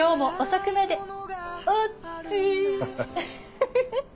フフフッ。